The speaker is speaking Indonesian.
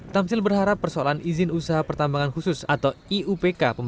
tamsil berharap persoalan izin usaha pertambangan khusus atau iupk